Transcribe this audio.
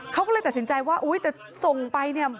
เขาก็เลยตัดสินใจว่าอุ๊ยแต่ส่งไปเนี่ย